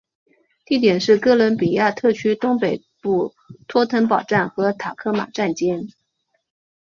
地点是哥伦比亚特区东北部托腾堡站和塔科马站间。